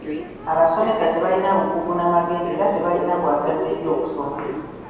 Abasomesa tebalina bukugu na magezi era tebalina bwagazi eri okusoma.